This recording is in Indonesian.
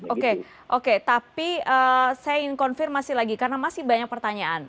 oke oke tapi saya ingin konfirmasi lagi karena masih banyak pertanyaan